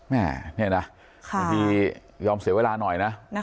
แม่นี่นะบางทียอมเสียเวลาหน่อยนะ